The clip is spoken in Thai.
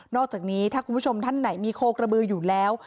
อกจากนี้ถ้าคุณผู้ชมท่านไหนมีโคกระบืออยู่แล้ว